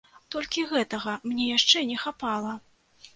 Толькі гэтага мне яшчэ не хапала!